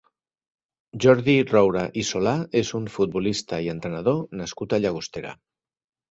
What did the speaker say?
Jordi Roura i Solà és un futbolista i entrenador nascut a Llagostera.